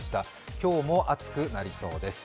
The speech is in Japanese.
今日も暑くなりそうです。